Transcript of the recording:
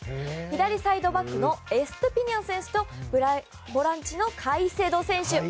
左サイドバックのエストゥピニャン選手とボランチのカイセド選手。